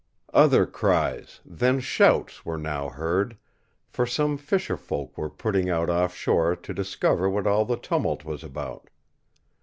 Other cries, then shouts were now heard, for some fisher folk were putting out off shore to discover what all the tumult was about.